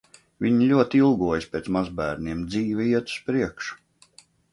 Viņi ļoti ilgojas pēc mazbērniem. Dzīve iet uz priekšu.